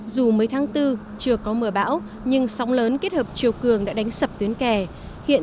dù mới tháng bốn chưa có mưa bão nhưng sóng lớn kết hợp chiều cường đã đánh sập tuyến kè hiện